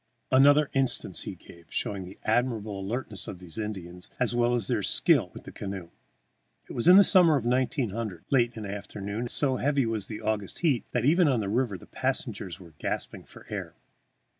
Another instance he gave, showing the admirable alertness of these Indians, as well as their skill with the canoe. It was in the summer of 1900, late of an afternoon, and so heavy was the August heat that even on the river the passengers were gasping for air.